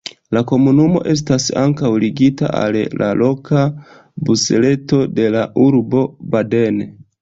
La komunumo estas ankaŭ ligita al la loka busreto de la urbo Baden.